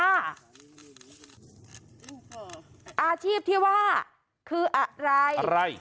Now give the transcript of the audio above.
อาชีพที่ว่าคืออะไรอะไร